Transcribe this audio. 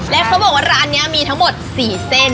และเขาบอกว่าร้านนี้มีทั้งหมด๔เส้น